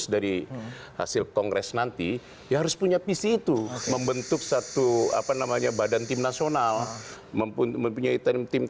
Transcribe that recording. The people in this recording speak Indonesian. datang datang pak tony kita kirim